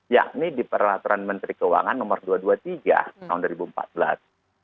yakni di peraturan menteri keuangan nomor dua ratus dua puluh tiga tahun dua ribu empat belas